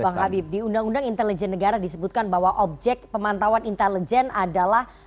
bang habib di undang undang intelijen negara disebutkan bahwa objek pemantauan intelijen adalah